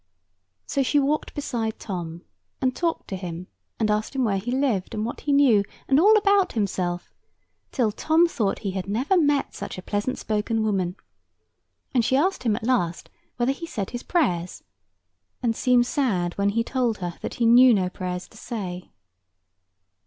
So she walked beside Tom, and talked to him, and asked him where he lived, and what he knew, and all about himself, till Tom thought he had never met such a pleasant spoken woman. And she asked him, at last, whether he said his prayers! and seemed sad when he told her that he knew no prayers to say.